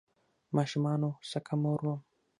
ماشومانو سکه مور وم